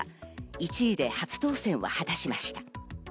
１位で初当選を果たしました。